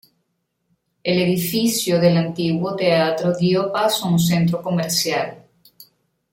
El edificio del antiguo teatro dio paso a un centro comercial.